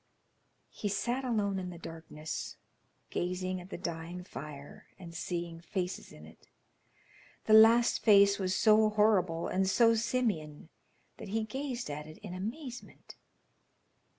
He sat alone in the darkness, gazing at the dying fire, and seeing faces in it. The last face was so horrible and so simian that he gazed at it in amazement.